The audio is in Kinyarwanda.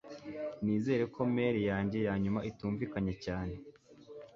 Nizere ko mail yanjye yanyuma itumvikanye cyane